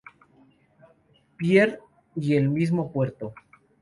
Pierre y el mismo puerto.